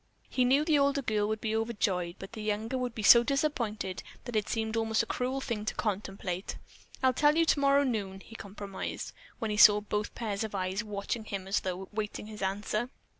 He knew that the older girl would be overjoyed, but the younger would be so disappointed that it seemed almost a cruel thing to contemplate. "I'll tell you tomorrow noon," he compromised, when he saw both pairs of eyes watching him as though awaiting his answer.